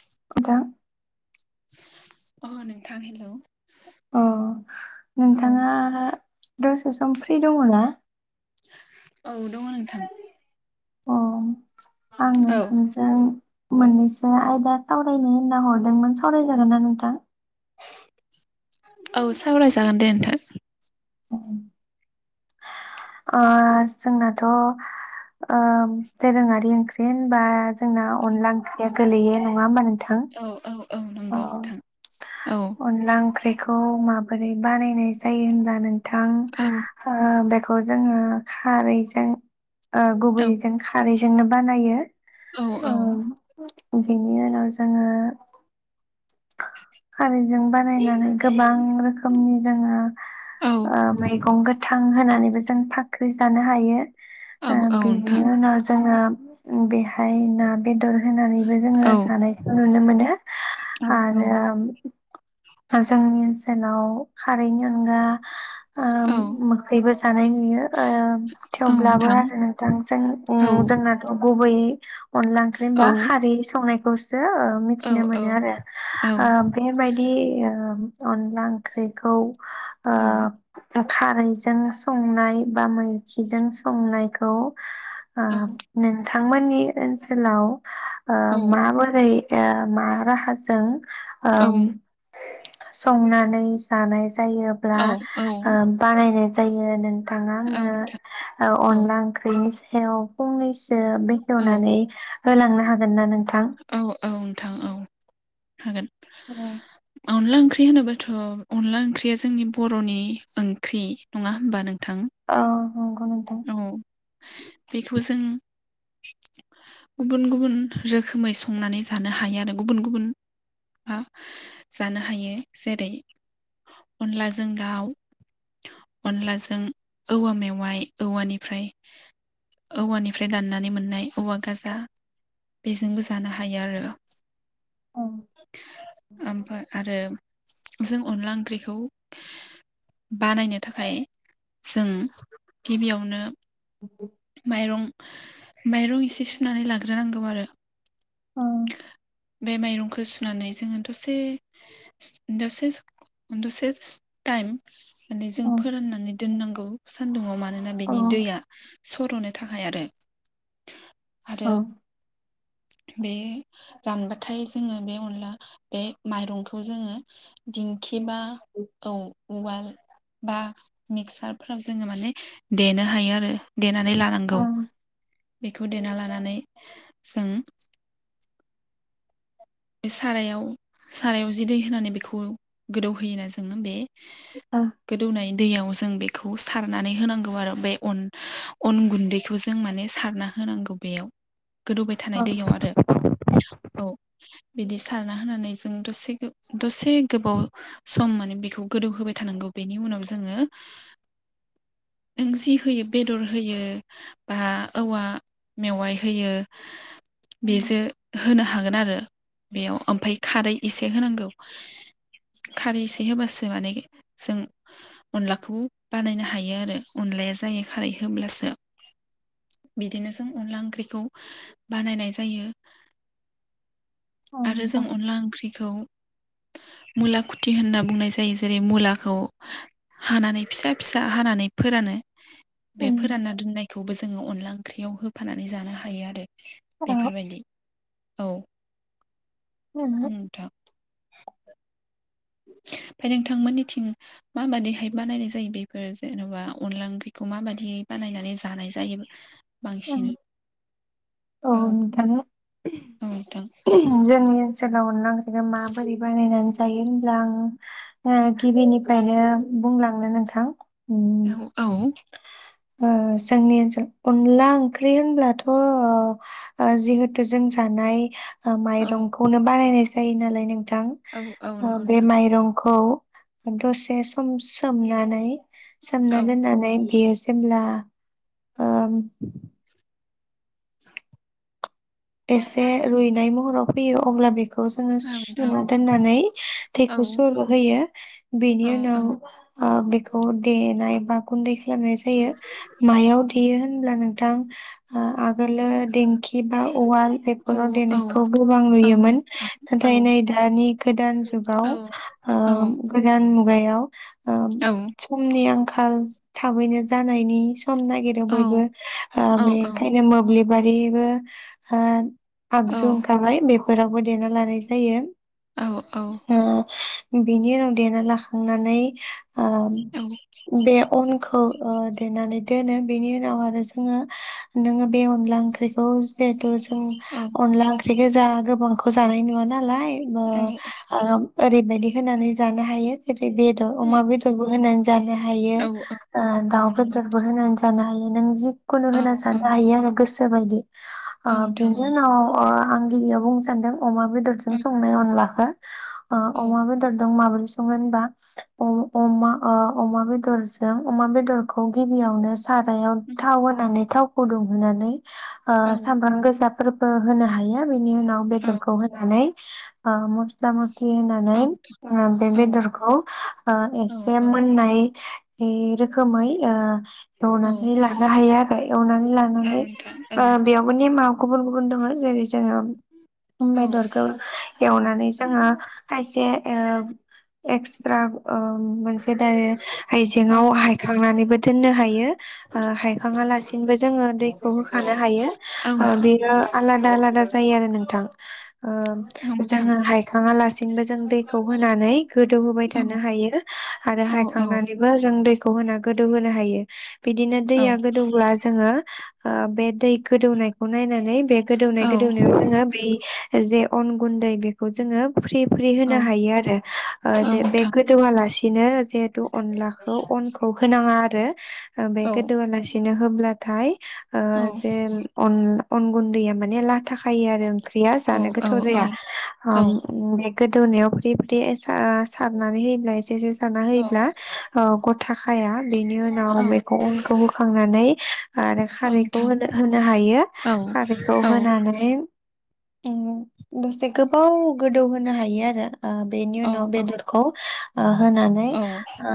[unintelligible] अ नोंथां हेलौ। अ औ नोंथाङा दसे सम फ्रि दङना? औ दङ नोंथां। अ। आं औ नोंथांजों मोननैसो आयदा सावरायनो होनना हरदोंमोन सावराय जागोनना नोंथां? औ सावरायजागोन दे नोंथां। ओ जोंनाथ' ओ दोरोङारि ओंख्रि बा जोंना अनदला ओंख्रिया गोलैयो नङा होमबा नोंथां। औ औ औ अ नंगौ नोंथां औ अनला ओंख्रिखौ मा बोरै बानाय जायो होनबा नोंथां औ ओ [unintelligible] खौ जोङो खारैजों ओ औ गुबैजों खारै जोंनो बानायो। औ औ अ। बेनि उनाव जोङो खारैजों बानायनानै गोबां रोखोमनि जोङो औ ओ मैगं गोथां होनानैबो जो जों फाख्रि जानो हायो। औ ओ औ बेनि नोंथां उनाव जोङो बेहाय ना बेदर होनानैबो जोङो औ जानायखौ नुनो मोनो औ औ आरो [inaudible] जोंनि ओनसोलाव खारैनि अनगा ओ औ मोखैबो जानाय नुयो ओ औ थेवब्लाबो नोंथां आरो नोंथां जों उम औ जोंनाथ' गुबैयै अनला ओंख्रि औ होनबा खारै संनाय [inaudible] जो ओ औ मिथिनो औ मोनो आरो औ ओ बेबाय [inaudible] अनला ओंख्रिखौ आ [inaudible] खारैजों संनाय बा मैखिजों संनायखौ आ औ नोंथ थांमोननि ओनसोलाव आ औ माबोरै ओ मा राहाजों ओम संनानै जानाय जायोब्ला नोंथां ओ बानायनाय जायो नों थाङा औ आंनो ओ अनला ओंख्रिनि स हेल' फंनैसो सो बेखेवनानै होलांनो हागोन ना नोंथां औ नोंथां औ हागोन होम अनला ओंख्रि होनोबाथ' अनला ओंख्रिया जोंनि बर'नि ओंख्रि नङा होमबा नों थां औ नंगौ नोंथां औ बेखौ जों गुबुन गुबुन रोखोमै संनानै जानो हायो आरो गुबुन गुबुना जानो हायो जेरै अनलाजों दाउ अनलाजों औवा मेवाइ औवानिफ्राय औवानिफ्राय दाननानै मोननाय औवा गाजा बेजोंबो जानो हायो आरो औ [inaudible] ओमफ्राय आरो जों अनला ओंख्रिखौ बानायनो थाखाय जों गिबियावनो माइरं माइरं एसे सुनानै लाग्रोनांगौ आरो औ बे माइरंखौ सुनानै जोङो दसे दसे दसे सम टाइम माने जों औ फोराननानै दोननांगौ सानदुङाव मा मानोना औ बेनि दैया लोंनो थाखाय आरो ओ आरो बे रानबाथाय जोङो बे अनला बे माइरंखौ जोङो दिंखि एबा औ। उवाल बा मिक्सारफोराव जोङो माने देनो हायो आरो। देनानै ओ औ लानांगौ बेखौ देना लानानै जों बे सारायाव -सारायाव जि दै होनानै बेखौ गोदौहोयोना जोङो बे नोंथां गोदौनाय दैयाव जों बेखौ सारनानै होनांगौ आरो बे अन गुन्दैखौ जों माने सारना होनांगौ बेयाव। गोदौबाय औ थानाय दैयाव आरो औ। [inaudible] बिदि सारना होनानै जों दसे -दसे गोबाव सम माने बेखौ गोदौ होबाय थानांगौ बेनि उनाव जोङो नों जि होयो बेदर होयो बा औवा मेवाइ होयो बेजों होनो हागोन आरो बेयाव ओमफाय खारै एसे होनांगौ खारै एसे होब्लासो माने जों अनलाखौ बानायनो हायो आरो अनलाया जायो खारै होब्लासो बिदिनो जों अनला ओंख्रिखौ बानायनाय जायो। आरो जों अनला ओंख्रिखौ मुला खुथि होनना बुंनाय जायो जेरै मुलाखौ हानानै फिसा फिसा हानानै फोरानो बे फोरानना दोननायखौबो जों जोङो अनला ओंख्रियाव होफानानै जानो हायो आरो। बेफोरबायदि औ। औ उम नोंथां। ओमफ्राय नोंथांमोननिथिं माबादिहाय बानायनाय जायो बेफोर जेनेबा अनला ओंख्रिखौ माबाददि बानायनानै जानाय जायो। बांसिन औ नोंथां औ नोंथां जोंनि ओनसोलाव अनला ओंख्रिखौ माबोरै बानायनानै जायो होनब्ला आं गिबिनिफ्रायनो बुंलांनो नोंथां उम औ औ। ओ जोंनि ओनसोलाव अनला ओंख्रि होनब्लाथ' जिहेथु जों जानाय औ माइरंखौनो बानायनाय जायो नालाय नों थां औ औ नंगौ बे नोंथां माइरं खौ दसे सम सोमनानै सोमना औ दोननानै बेयो जेब्ला ओम एसे रुइनाय महराव फैयो अब्ला बे खौ जोङो औ नोंथां सुना दोननानै औ दैखौ सर होयो बेनि औ उनाव औ ओ बेखौ देनाय बा गुन्दै खालामनाय जायो मायाव देयो होनब्ला नोंथां। ओ आगोलो दिंखि बा उवाल औ बेफोराव औ देनायखौ गोबां औ नुयोमोन नोंथां औ नाथाय नै दानि गोदान औ जुगाव ओ औ गोदान मुगायाव ओ औ समनि आंखाल थाबैनो जानायनि सम नागिरो औ बयबो औ औ बेनिखायनो मोब्लिब बारैबो आ आगजुं ओंखारबाय बे फोरावबो देना लानाय जायो। औ अ बिनि उनाव देना लाखांनानै आ बे अन औ ओ देनानै दोनो बेनि उनाव आरो जोंङो नोंङो बे अनला ओंख्रिखौ जिहेथु जों अनला ओंख्रि गोजा गोबां खौ जानाय नुवा नालाय औ [unintelligible] बायदि होनानै जानो हायो। बेदर अमा बेदरबो होनानै जानो हायो ओ दाउ नंगौ बेदरबो होनानै ज जानो हायो नों जि खुनु औ होना औ जानो हायो आरो गोसो बेबायदि ओ नोंथां बिदि उनाव ओ आं गिबियाव बुंनो सान्दों अमा औ बेदरजों संनाय अनलाखो आ औ अमाब दरदोंं माबोर संनो होमबा अ अमा ओ अमा बेदर जों अमा बेदर खौ गिबियावनो सारायाव थाव होनानै थाव फुदुंनानै ओ औ सामब्राम गोजाफोरबो होनो हायो बेनि उनाव औ बेदरखौ होनानै अ मस्ला म औ होनानै बे बेदरखौ औ एसे औ मोननाय रोखोमै ओ एवनानै औ लानो हायो आरो एवनानै लानानै नोंथां औ बेयाव नेमाव गुबुन गुबुन दङ जेरै जोङो औ बेदरखौ एवनानै जोङो खायसे ओ एक्सट्रा ओं मोनसे दायो आइजें औ आव हायखांनानैबो दोननो हायो ओ हायखाङा लासि बिदिनोबो जोङो दैखौ खानो हायो नोंथां औ नोंथां औ बेयो आलादा आलादा जायो आरो नोंथां। ओ औ जोङो हायखाङा लासिनोबो जों दैखौ होनानै गोदौ होबाय थानो हायो ।आरो औ औ नोंथां औ हायखांनानैबो जों दैखौ होना गोदौहोनो हायो। बिदिनो दैया गोदौब्ला जोङो ओ बे दै गोदौनायखौ नायनानै बे गोदौनाय गोदौनायाव जोङो बै जे अन गुन्दै बेखौ जोङो फ्रि फ्रि होनो हायो आरो जे बे औ गोदौआलासि बिदिनो जिहेतु अनलाखौ अनखौ होनाङा आरो बे गोदोआ लासिनो होब्लाथाय ओ जेन अन गुन्दैया माने लाथ खायो आरो ओंख्रिया जानो गोथाव जाया। गोदौनायाव फ्रि फ्रि ओ सारनानै होयोब्ला एसे एसे सारना होयोब्ला गथा खाया। बेनि औ उनाव बेखौ अनखौ होखांनानै औ खारै नोंथां होनो हायो। औ खारैखौ औ होनानै ओं दसे गोबाव गोदौ होनो हायो आरो। ओ बेनि औ उनाव बेदरखौ ओ होनानै औ ओ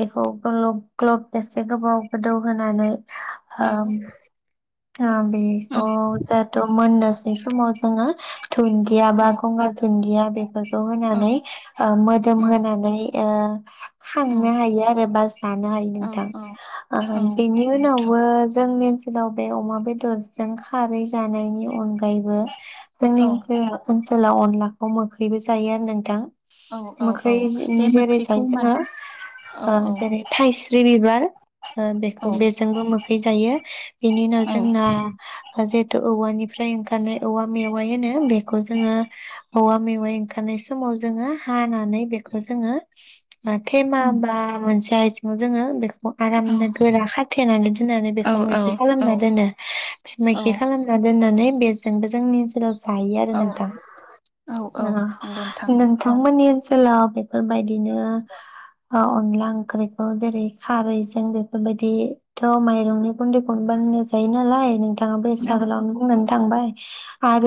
बेखौ ग्लब ग्लब बेसे गोबाव गोदौ होनानै ओ औ। बेखौ औ जेहेथु मोननोसै समाव जोङो दुन्दिया बा गंगार दुन्दिया बेफोरखौ होनानै मोदोम होनानै ओ खांनो हायो आरो बा जानो हायो औ नोंथां। ओ बेनि उनावबो जोंनि हेलौ। बे अमा बेदरजों खारै जानायनि अनगा यैबो जोंनि औ औ ओनसोला ओनसोलाव अनलाखौ मोखैबो जायो आरो नोंथां। नोंथां औ औ औ मोखै जे बे जेरै मोख्रिखौ जाय माने जोंहा औ ओ औ जेरै थाइस्रि बिबार ओ औ बेखौ बेजोंबो मोखै जायो। बेनि उनाव औ जोंना जिहेतु औवानिफ्राय ओंखारनाय औवा मेवाइ होनो बेखौ जोङो औवा मेवाइ ओंखारनाय समाव जोङो हा नानै बेखौ जोङो ओ थेमा औ बा मोनसे [unintelligible] खौ औ आरामनो गोरा खाथेनानै दोननानै औ बेखौ मैखि खालामना दोनो बे मैखि खालामना दोननाय नानै बेजोंबो‌ जोंनि ओनसोलाव जायो आरो औ नोंथां औ नंगौ नोंथां औ नोंथांमोननि ओनसोलाव बे फोरबायदिनो। अ अनला ओंख्रिखौ जेरै खारैजों बेफोरबायदिथ' माइरंनि गुन्दै खनबानो जायोनालाय‌ नोंथां थाङाबो एसे औ आगोलावनो बुंनानै थांबाय।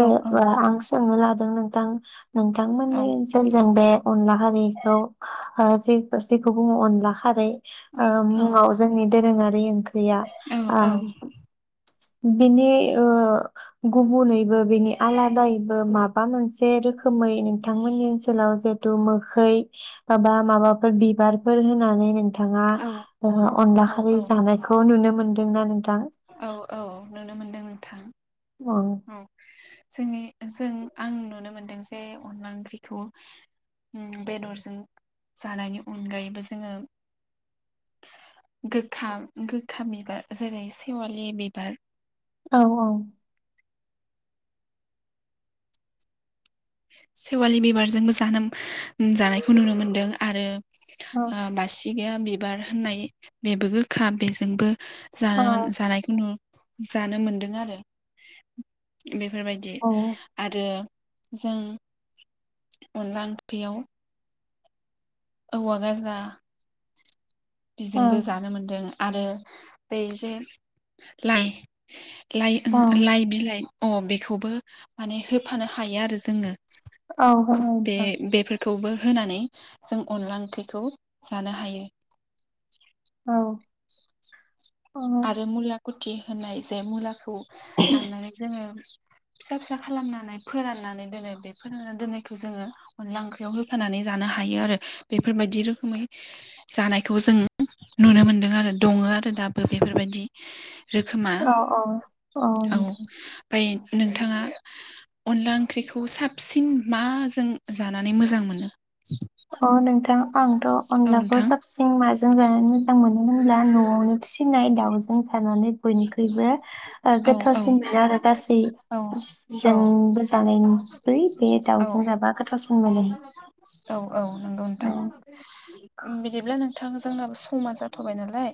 औ औ बा आं सोंनो लादों नोंथां। औ नोंथांमोननि ओनसोलजों बे। अनला खारैखौ ओ जे जेखौ बुङो अनला खारै। ओ मुङाव जोंनि - दोरोङारि ओंख्रि ख्रैया। [inaudible] बिनि ओ। गुबुनैबो बेनि आलादायैबो माबा मोनसे रोखोमै नोंथांमोननि ओनसोलाव जेहेतु मोखै बा बा माबाफोर बिबारफोर होनानै नों थाङा ओ औ अनला खारि जानायखौ नुनो मोनदोंना नों औ औ नुनो मोनदों नोंथां औ जोंनि जों आं नुनो मोनदों बे अनला ओंख्रिखौ उम बेदरजों जानायनि अनगायैबो जोङो गोखा गोखा बिबार जेरै सेवालि बिबार औ औ सेवालि बिबारजोंबो जानो जानायखौ नुनो मोनदों आरो औ आ बासि गिया बिबार होननाय बेबो गोखा बेजोंबो जानो मोन जानायखौ नु जानो मोनदों आरो बे बेफोरबायदि औ आरो जों अनला ओंख्रियाव औवा गाजा औ बिजोंबो जानो मोनदों आरो बेैजे लाइ लाइ औ ओ लाइ बिलाइ अ बेखौबो माने होफानो हायो आरो जो औ [unintelligible] खौबो होनानै जों अनला ओंख्रिखौ जानो हायो औ आरो मुला कुति होननाय जे मुलाखौ दाननानै जोङो फिसा फिसा खालामनानै फोराननानै दोनो बे फोरानना दोननायखौ जोङो अनला ओंख्रियाव होफानानै जानो हायो आरो बेफोरबायदि रोखोमै जानायखौ जों नुनो मोनदों आरो दङो आरो दाब बेफोरबायदि औ औ औ नोंथां बै नोंथाङा अनला ओंख्रिखौ साबसिन माजों जानानै मोजां मोनो अ नोंथां आंथ' औ अनलाखौ नोंथां साबसिन माजों जानानै मोजां मोनो होनब्ला न'आवनो फिसिनाय दाउजों जानानै बयनिख्रुइबो ओ औ औ गोथावसिन मोनो आरो गासै औ ज औ जोंबो जानाय बै बे औ दाउजों जाबा गोथावसिन मोनो औ औ नंगौ औ नोंथां बिदिब्ला नों थां जोंनाबो समा जाथ'बाय नालाय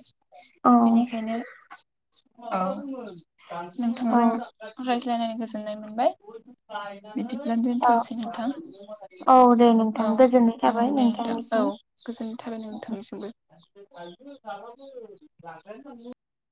औ बेनिखायनो [unintelligible] औ नोंथांजों रायज्लायनो गोजोननाय मोनबाय बिदिबानो औ दोनथ'नोसै नोंथां औ दे औ नोंथां गोजोननाय औ थाबाय दे दा औ नोंथांनिसिम गोजोननाय थाबाय न नोंथांनिसिमबो [unintelligible]